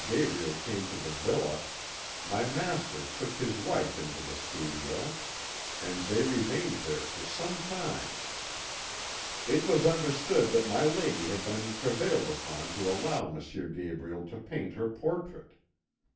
Gabriel came to the villa my master took his wife into the studio, and they remained there for some time. It was understood that my lady had been prevailed upon to allow M. Gabriel to paint her portrait.